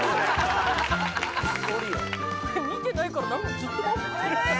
これ見てないからずっと回ってる。